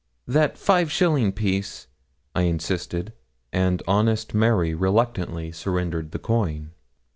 'That five shilling piece,' I insisted; and honest Mary reluctantly surrendered the coin.